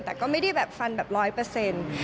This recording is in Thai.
แต่ก็ไม่ได้แบบฟันแบบร้อยเปอร์เซ็นต์